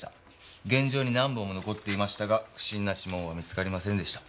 現場に何本も残っていましたが不審な指紋は見つかりませんでした。